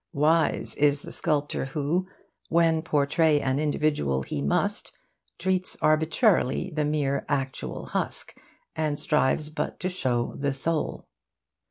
Wise is that sculptor who, when portray an individual he must, treats arbitrarily the mere actual husk, and strives but to show the soul.